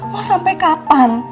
mau sampai kapan